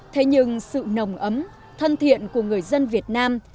thế nhưng sự nồng ấm thân thiện của người dân việt nam